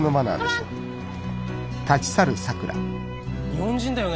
日本人だよね？